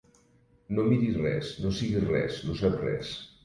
No miris res, no siguis res, no saps res.